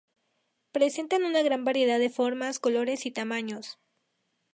Presentan una gran variedad de formas, colores y tamaños.